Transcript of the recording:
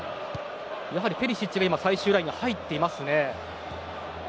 やはりペリシッチが最終ラインに入っていますね。